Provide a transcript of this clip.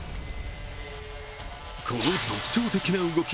この特徴的な動き